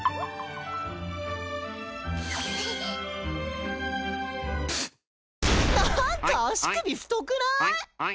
プッ何か足首太くない？